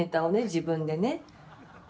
自分でね